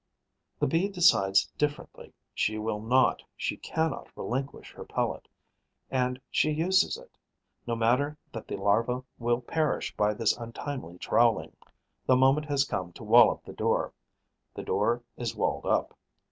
The Bee decides differently. She will not, she cannot relinquish her pellet; and she uses it. No matter that the larva will perish by this untimely trowelling: the moment has come to wall up the door; the door is walled up.